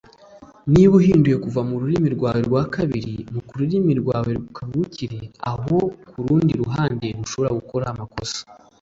Niba uhinduye kuva mururimi rwawe rwa kabiri mukururimi rwawe kavukire aho kurundi ruhande ntushobora gukora amakosa